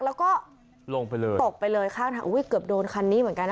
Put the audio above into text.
แล้วก็ลงไปเลยตกไปเลยข้างทางอุ้ยเกือบโดนคันนี้เหมือนกันนะ